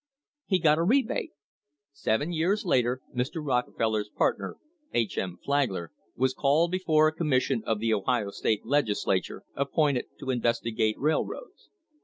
He got a rebate. Seven years later Mr. Rockefeller's part ner, H. M. Flagler, was called before a commission of the Ohio State Legislature appointed to investigate railroads.